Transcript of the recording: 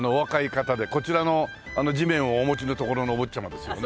こちらの地面をお持ちのところのお坊ちゃまですよね？